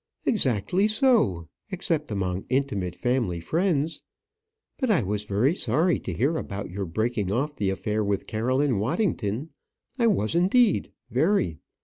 "Exactly so; except among intimate family friends. But I was very sorry to hear about your breaking off the affair with Caroline Waddington. I was, indeed; very.